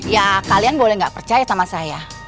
ya kalian boleh nggak percaya sama saya